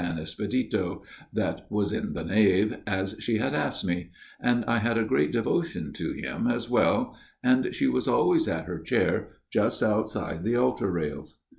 Espedito, that was in the nave, as she had asked me, and I had a great devotion to him as well, and she was always at her chair just outside the altar rails.